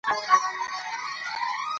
د پښتو کتابونه باید زیات خپاره سي.